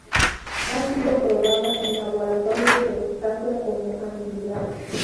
Ha sido probada en laboratorio su eficacia como antiviral.